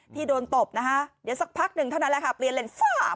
ที่โดนตบนะคะเดี๋ยวสักพักหนึ่งเท่านั้นแหละค่ะเปลี่ยนเลนฝ้า